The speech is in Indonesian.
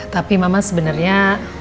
tapi mama sebenernya